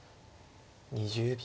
２０秒。